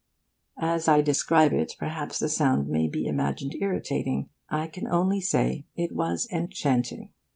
As I describe it, perhaps the sound may be imagined irritating. I can only say it was enchanting.